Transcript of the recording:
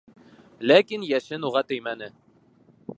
Ләкин йәшен уға теймәне.